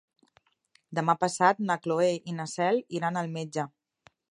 Demà passat na Cloè i na Cel iran al metge.